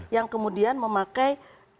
yang kemudian memakai